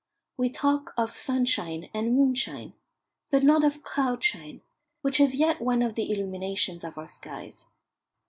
We talk of sunshine and moonshine, but not of cloud shine, which is yet one of the illuminations of our skies.